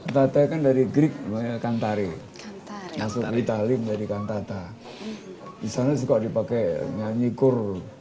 kantata kan dari greek kantare masuk di talim dari kantata di sana suka dipakai nyanyi kurl